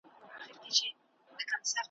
د یاغي کوترو ښکار ته به یې وړلې ,